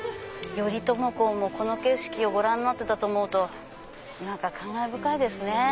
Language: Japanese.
頼朝公もこの景色をご覧になってたと思うと感慨深いですね。